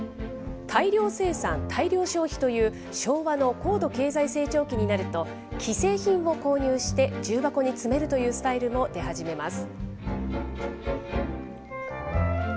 大量生産、大量消費という昭和の高度経済成長期になると、既製品を購入して、重箱に詰めるというスタイルも出始めます。